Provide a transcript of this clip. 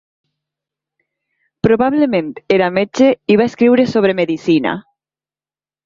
Probablement era metge i va escriure sobre medicina.